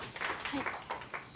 はい。